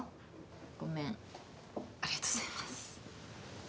ごめんありがとうございます。